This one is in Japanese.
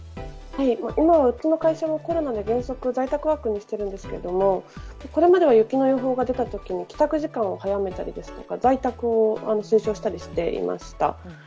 今はうちの会社は、コロナで原則、在宅ワークにしているんですけれども、これまでは雪の予報が出たときに、帰宅時間を早めたりですとか、在宅を推奨したりしていました。